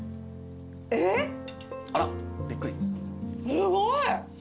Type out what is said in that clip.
すごい。